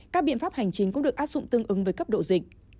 các biện pháp hành chính cũng được áp dụng tương ứng với cấp độ dịch